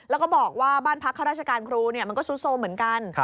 แล้วก็บอกว่าบ้านพักข้าราชการครูมันก็ซุดโทรมเหมือนกัน